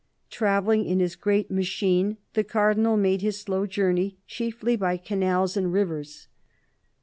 Travelling in his great " machine," the Cardinal made his slow journey chiefly by canals and rivers.